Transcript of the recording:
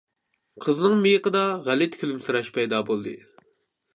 قىزنىڭ مىيىقىدا غەلىتە كۈلۈمسىرەش پەيدا بولدى.